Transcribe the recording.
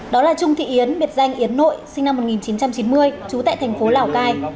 đó là trung thị yến biệt danh yến nội sinh năm một nghìn chín trăm chín mươi trú tại thành phố lào cai